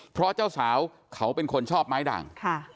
เพราะเจ้าสาวเขาเป็นคนชอบไม้ด่าง